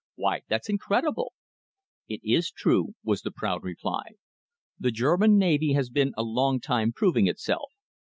Why, it's incredible!" "It is true," was the proud reply. "The German Navy has been a long time proving itself.